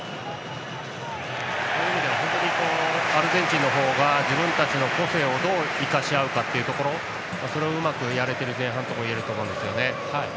そういう意味で言うとアルゼンチンのほうが自分たちの個性をどう生かしあうかというのがそれをうまくやれている前半といえると思います。